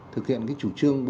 thực hiện chủ trương